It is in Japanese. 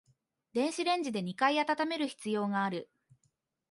電子レンジで二回温める必要がある